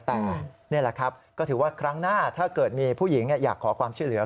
แต่นี่แหละครับก็ถือว่าครั้งหน้าถ้าเกิดมีผู้หญิงอยากขอความช่วยเหลือ